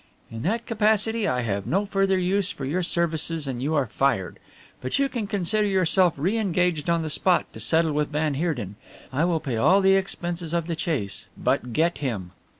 "In that capacity I have no further use for your services and you are fired, but you can consider yourself re engaged on the spot to settle with van Heerden. I will pay all the expenses of the chase but get him."